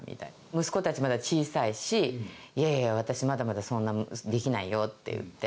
息子たち、まだ小さいし、いやいや、私まだまだそんなできないよって言って。